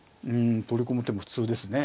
取り込む手も普通ですね。